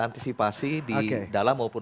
antisipasi di dalam maupun